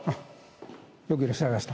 よくいらっしゃいました。